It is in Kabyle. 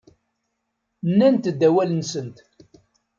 Nnant-d awal-nsent.